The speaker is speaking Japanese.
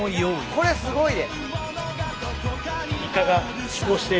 これすごいで！